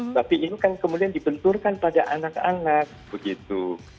tapi ini kan kemudian dibenturkan pada anak anak begitu